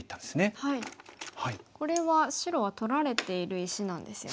これは白は取られている石なんですよね。